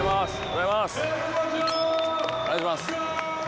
お願いします。